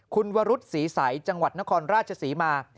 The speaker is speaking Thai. คุณวรุษศรีใสจังหวัดนครราชศรีมา